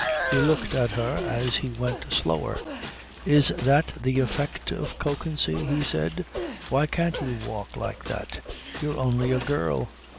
He looked at her as he went slower. "Is that the effect of Kökensee?" he said. "Why can't you walk like that? You're only a girl."